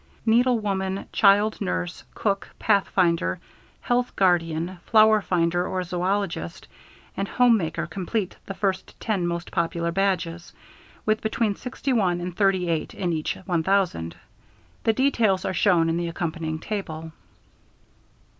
Needlewoman, child nurse, cook, pathfinder, health guardian, flower finder or zoologist, and home maker complete the first 10 most popular badges, with between 61 and 38 in each 1,000. The details are shown in the accompanying table.